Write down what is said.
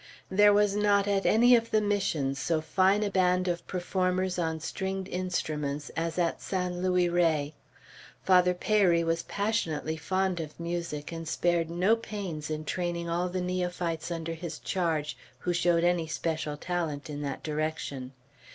There was not at any of the Missions so fine a band of performers on stringed instruments as at San Luis Rey. Father Peyri was passionately fond of music, and spared no pains in training all the neophytes under his charge who showed any special talent in that direction.